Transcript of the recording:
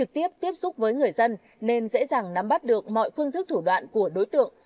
tiếp xúc với người dân nên dễ dàng nắm bắt được mọi phương thức thủ đoạn của đối tượng